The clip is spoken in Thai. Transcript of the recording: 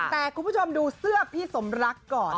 แต่คุณผู้ชมดูเสื้อพี่สมรักก่อน